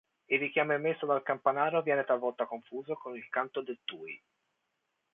Il richiamo emesso dal campanaro viene talvolta confuso con il canto del tui.